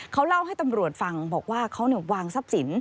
เขาเล่าให้ตำรวจฟังบอกว่าเขาวางทรัพย์สิน